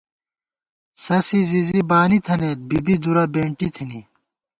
سَسی زِزی بانی تھنَئیت بی بی دُرہ بېنٹی تِھنی